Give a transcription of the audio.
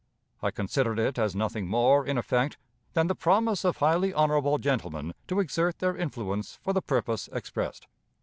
I considered it as nothing more, in effect, than the promise of highly honorable gentlemen to exert their influence for the purpose expressed.